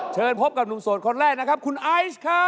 เชิญพบกับหนุ่มโสดคนแรกนะครับคุณไอซ์ครับ